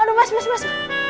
aduh mas mas mas